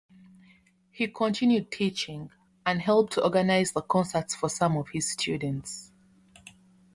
He continued teaching, and helped to organize concerts for some of his students.